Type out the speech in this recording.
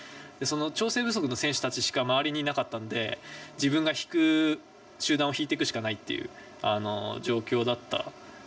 その調整不足の選手たちしか周りにいなかったんで自分が集団を引いていくしかないという状況だった。